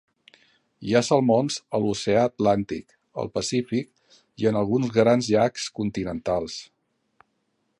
Hi ha salmons a l'Oceà Atlàntic, al Pacífic i en alguns grans llacs continentals.